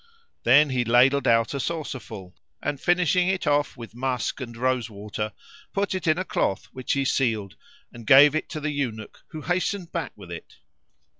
Then he ladled out a saucer full; and, finishing it off with musk and rose water, put it in a cloth which he sealed [FN#475] and gave it to the Eunuch, who hastened back with it.